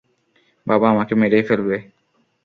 বাবা আমাকে মেরেই ফেলবে।